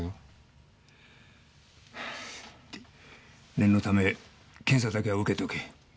念のため検査だけは受けておけ。